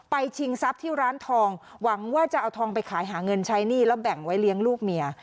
ชิงทรัพย์ที่ร้านทองหวังว่าจะเอาทองไปขายหาเงินใช้หนี้แล้วแบ่งไว้เลี้ยงลูกเมีย